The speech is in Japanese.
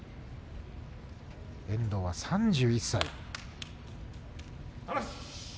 遠藤は３１歳。